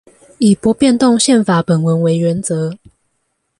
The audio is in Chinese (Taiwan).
以不變動憲法本文為原則